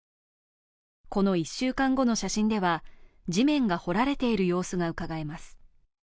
この１週間後の写真では地面が掘られている様子がうかがえます。